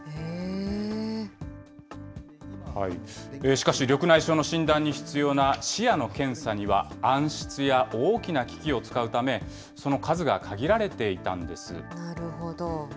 しかし緑内障の診断に必要な視野の検査には、暗室や大きな機器を使うため、その数が限られていたんです。